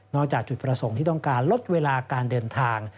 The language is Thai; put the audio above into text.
จากจุดประสงค์ที่ต้องการลดเวลาการเดินทาง